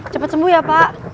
cepet sembuh ya pak